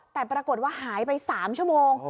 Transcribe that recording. แต่ปรากฏว่าหายไป๓ชั่วโมง